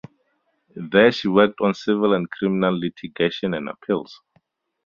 There she worked on civil and criminal litigation and appeals.